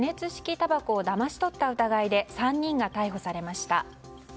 たばこをだまし取った疑いで３人が逮捕されました。